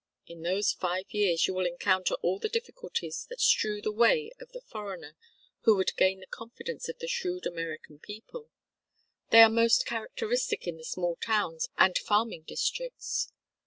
In those five years you will encounter all the difficulties that strew the way of the foreigner who would gain the confidence of the shrewd American people they are most characteristic in the small towns and farming districts.